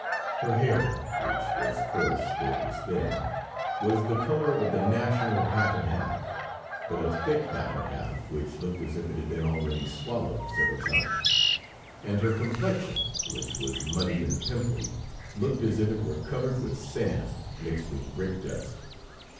Her hair, which was coarse though it was thin, was the color of the national half and half, but of thick half and half which looked as if it had been already swallowed several times, and her complexion, which was muddy and pimply, looked as if it were covered with sand mixed with brickdust.